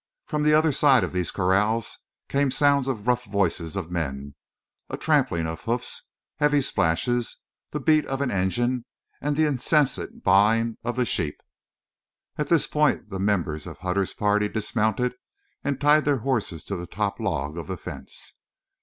From the other side of these corrals came sounds of rough voices of men, a trampling of hoofs, heavy splashes, the beat of an engine, and the incessant baaing of the sheep. At this point the members of Hutter's party dismounted and tied their horses to the top log of the fence.